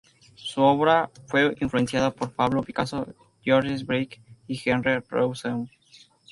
Su obra fue influenciada por Pablo Picasso, Georges Braque y Henri Rousseau.